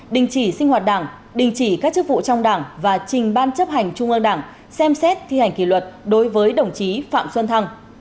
đình chỉ sinh hoạt đảng đình chỉ các chức vụ trong đảng và trình ban chấp hành trung ương đảng xem xét thi hành kỷ luật đối với đồng chí phạm xuân thăng